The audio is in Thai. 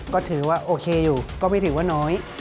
ก็ถือว่าโอเคอยู่ก็ไม่ถือว่าน้อย